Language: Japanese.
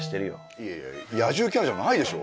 いやいや野獣キャラじゃないでしょ。